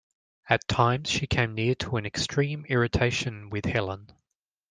At times she came near to an extreme irritation with Helene.